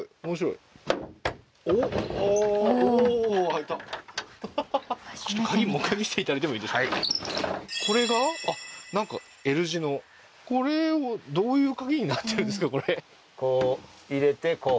はいこれがなんかＬ字のこれをどういう鍵になってるんですか？